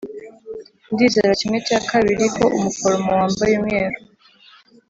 ndizera kimwe cya kabiri ko umuforomo wambaye umweru